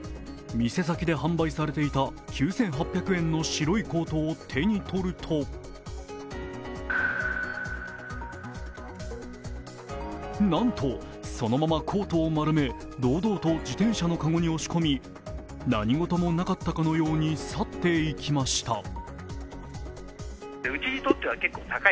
店先で販売されていた９８００円の白いコートを手に取るとなんとそのままコートを丸め、堂々と自転車の籠に押し込み何事もなかったかのように去っていきました。